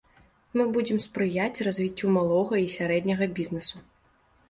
Мы будзем спрыяць развіццю малога і сярэдняга бізнэсу.